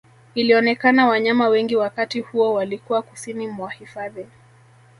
Ilionekana wanyama wengi wakati huo walikuwa kusini mwa hifadhi